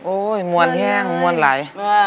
โอ้ยมวนแห้งมวนไหล